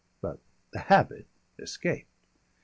But the habit escaped.